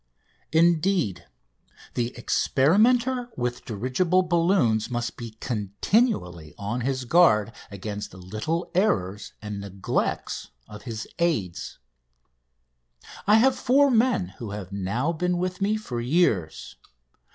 Indeed, the experimenter with dirigible balloons must be continually on his guard against little errors and neglects of his aids. I have four men who have now been with me four years.